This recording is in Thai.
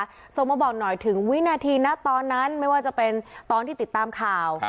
ส่งมาบอกหน่อยถึงวินาทีนะตอนนั้นไม่ว่าจะเป็นตอนที่ติดตามข่าว